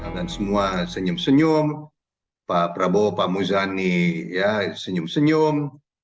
dan semua senyum senyum pak prabowo pak muzani ya senyum senyum